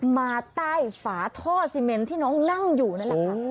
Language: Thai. มาใต้ฝาท่อซีเมนที่น้องนั่งอยู่นั่นแหละค่ะ